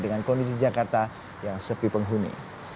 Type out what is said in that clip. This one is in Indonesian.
dengan kondisi jakarta yang sepi penghuni